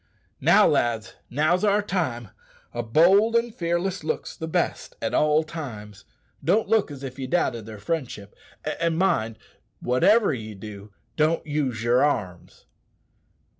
"Now, lads, now's our time. A bold and fearless look's the best at all times. Don't look as if ye doubted their friendship; and mind, wotever ye do, don't use yer arms.